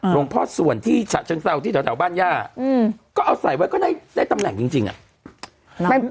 หลวงพ่อส่วนที่ฉะเชิงเศร้าที่แถวบ้านย่าก็เอาใส่ไว้ก็ได้ตำแหน่งจริงอ่ะ